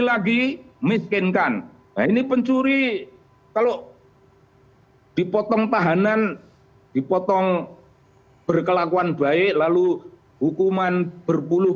lagi miskinkan ini pencuri kalau dipotong tahanan dipotong berkelakuan baik lalu hukuman berpuluh